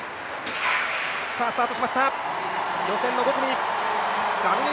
スタートしました、予選の５組。